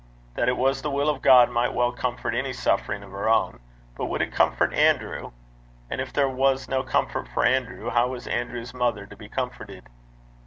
That it was the will of God might well comfort any suffering of her own, but would it comfort Andrew? and if there was no comfort for Andrew, how was Andrew's mother to be comforted?